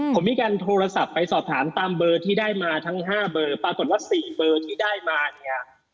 ผมมีการโทรศัพท์ไปสอบถามตามเบอร์ที่ได้มาทั้ง๕เบอร์ปรากฏว่า๔เบอร์ที่ได้มาเนี่ย